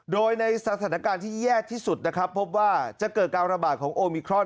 โดยในสถานการณ์ที่แย่ที่สุดนะครับพบว่าจะเกิดการระบาดของโอมิครอน